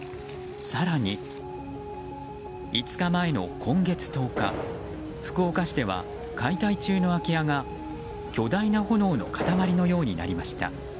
更に５日前の今月１０日、福岡市では解体中の空き家が巨大な炎の塊のようになりました。